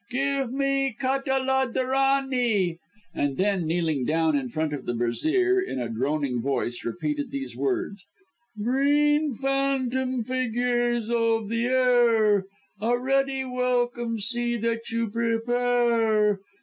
Give me Ka ta la derany;" and then kneeling down in front of the brazier, in a droning voice repeated these words: "Green phantom figures of the air, A ready welcome see that you prepare.